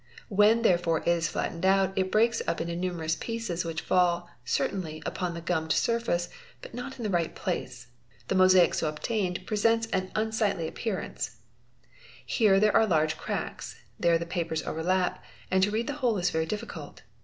When therefore it is flattened out, breaks up into numerous pieces which fall, certainly upon the gummed : wface, but not in the right place. The mosaic so obtained presents an 480 DRAWING AND ALLIED ARTS unsightly appearance. Here there are large cracks; there the papers — overlap, and to read the whole is very difficult.